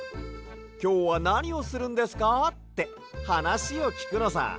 「きょうはなにをするんですか？」ってはなしをきくのさ。